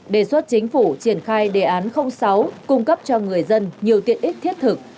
đề xuất chính phủ triển khai đề án sáu cung cấp cho người dân nhiều tiện ích thiết thực